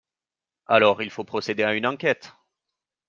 Alors il faut procéder à une enquête.